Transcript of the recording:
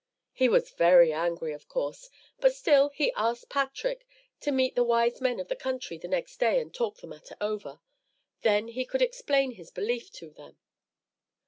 He was very angry, of course. But still he asked Patrick to meet the wise men of the country the next day and talk the matter over. Then he could explain his belief to them.